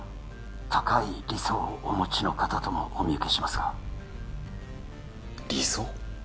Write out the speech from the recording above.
高い理想をお持ちの方ともお見受けしますが理想？